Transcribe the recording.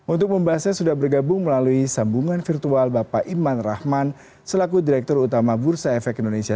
untuk membahasnya sudah bergabung melalui sambungan virtual bapak iman rahman selaku direktur utama bursa efek indonesia